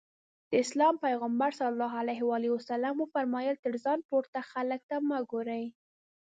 د اسلام پيغمبر ص وفرمايل تر ځان پورته خلکو ته مه ګورئ.